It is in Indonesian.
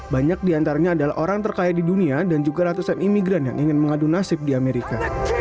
banyak diantaranya adalah orang terkaya di dunia dan juga ratusan imigran yang ingin mengadu nasib di amerika